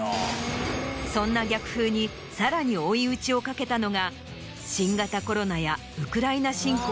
そんな逆風にさらに追い打ちをかけたのが。